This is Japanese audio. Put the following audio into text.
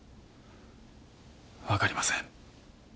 わかりません。